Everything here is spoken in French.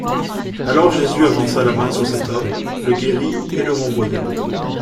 Alors Jésus avança la main sur cet homme, le guérit, et le renvoya.